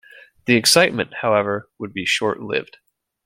The excitement, however, would be short-lived.